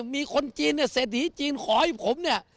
มีคนจีนเศรษฐีจีนขอให้ผม